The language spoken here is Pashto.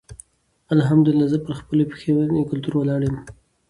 الحمدالله زه پر خپل پښنې کلتور ویاړم.